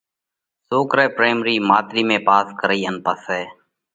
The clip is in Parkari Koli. سوڪرئہ پرائمرِي ماتلِي ٿِي پاس ڪرئِي ان پسئہ